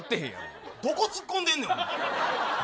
どこつっこんでんねんお前。